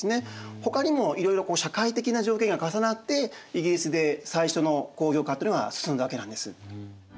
ほかにもいろいろ社会的な条件が重なってイギリスで最初の工業化っていうのが進んだわけなんです。